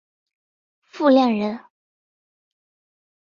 傅亮人。